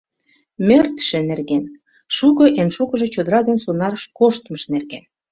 Мӓртше нерген — шуко, эн шукыжо — чодыра ден сонарыш коштмыж нерген.